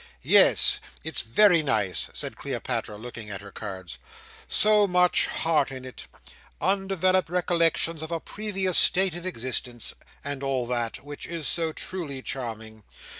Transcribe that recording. "Yes. It's very nice," said Cleopatra, looking at her cards. "So much heart in it—undeveloped recollections of a previous state of existence—and all that—which is so truly charming.